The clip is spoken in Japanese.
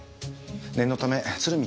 念のため鶴見